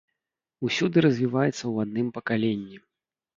Усюды развіваецца ў адным пакаленні.